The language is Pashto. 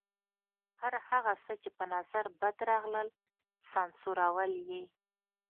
هر هغه څه چې په نظر بد راغلل سانسورول یې.